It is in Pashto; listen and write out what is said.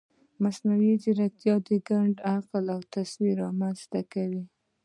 مصنوعي ځیرکتیا د ګډ عقل تصور رامنځته کوي.